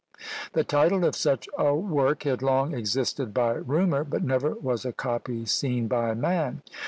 The title of such a work had long existed by rumour, but never was a copy seen by man!